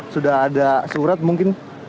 sudah ada surat mungkin